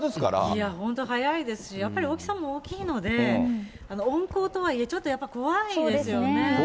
いや、本当速いですし、やっぱり大きさも大きいので、温厚とはいえ、ちょっとやっぱり怖いですよね。